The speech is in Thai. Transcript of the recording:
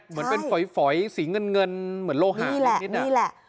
เหมือนเป็นฝอยสีเงินเงินเหมือนโลหิตนี่แหละนี่แหละ